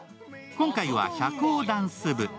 今回は社交ダンス部。